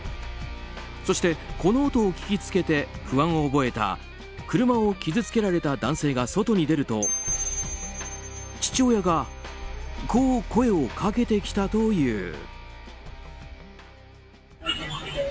そして、この音を聞きつけて不安を覚えた車を傷つけられた男性が外に出ると父親がこう声をかけてきたという。